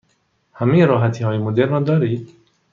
همه راحتی های مدرن را دارید؟